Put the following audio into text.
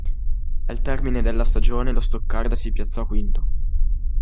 Al termine della stagione lo Stoccarda si piazzò quinto.